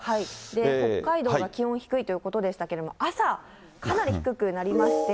北海道は気温低いということでしたけれども、朝、かなり低くなりまして。